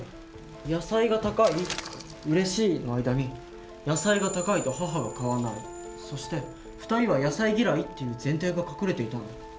「野菜が高い」と「うれしい」の間に「野菜が高いと母は買わない」そして「２人は野菜嫌い」っていう前提が隠れていたんだ。